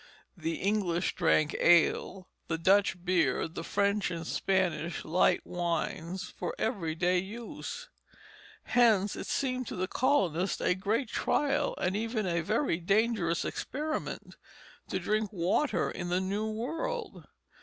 The English drank ale, the Dutch beer, the French and Spanish light wines, for every day use. Hence it seemed to the colonists a great trial and even a very dangerous experiment to drink water in the New World.